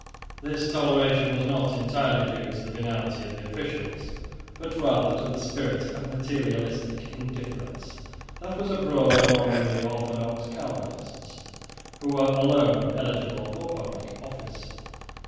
This toleration was not entirely due to the venality of the officials, but rather to the spirit of materialistic indifference that was abroad among the orthodox Calvinists, who were alone eligible for public office.